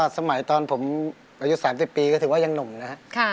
สมัยตอนผมอายุ๓๐ปีก็ถือว่ายังหนุ่มนะครับ